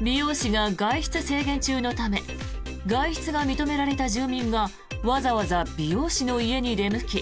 美容師が外出制限中のため外出が認められた住民がわざわざ美容師の家に出向き